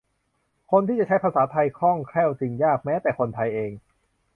คนที่จะใช้ภาษาไทยคล่องแคล่วจึงยาก แม้แต่คนไทยเอง